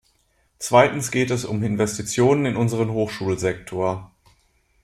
Zweitens geht es um Investitionen in unseren Hochschulsektor.